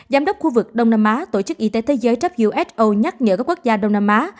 giám đốc khu vực đông nam á tổ chức y tế thế giới who nhắc nhở các quốc gia đông nam á